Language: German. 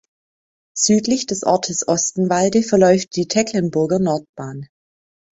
Südlich des Ortes Ostenwalde verläuft die Tecklenburger Nordbahn.